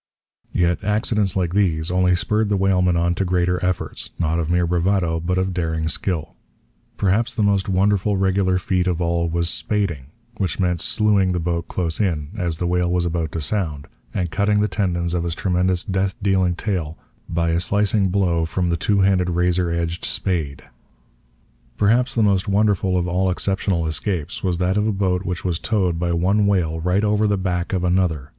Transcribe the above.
Yet accidents like these only spurred the whalemen on to greater efforts, not of mere bravado, but of daring skill. Perhaps the most wonderful regular feat of all was 'spading,' which meant slewing the boat close in, as the whale was about to sound, and cutting the tendons of its tremendous death dealing tail by a slicing blow from the two handed razor edged 'spade.' Perhaps the most wonderful of all exceptional escapes was that of a boat which was towed by one whale right over the back of another.